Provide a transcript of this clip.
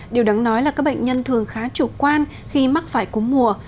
điều đáng nói là các bệnh nhân thường khá chủ quan khi mắc phải cú mùa